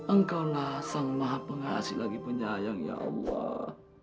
engkau lah sang mahapengasi lagi penyayang ya allah